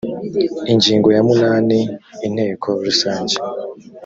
ingingo ya munani inteko rusange